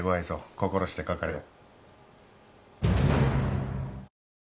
心してかかれよ。